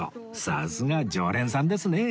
さすが常連さんですねえ